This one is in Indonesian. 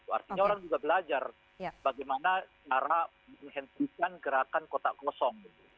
artinya orang juga belajar bagaimana cara menghentikan gerakan kotak kosong